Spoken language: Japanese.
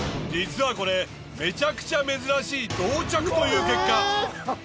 実はこれめちゃくちゃ珍しい同着という結果。